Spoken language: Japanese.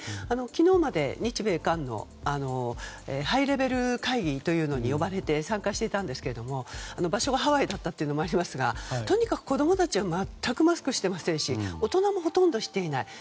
昨日まで日米韓のハイレベル会議というのに呼ばれて、参加していたんですが場所がハワイだったのもありますがとにかく子供たちは全くマスクしてしませんし大人もしていません。